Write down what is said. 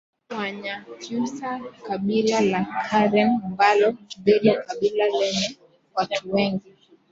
Wanyakyusa Kabila la Karen ambalo ndilo kabila lenye watu wengi